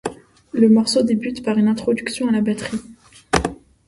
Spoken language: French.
Le morceau débute par une introduction à la batterie.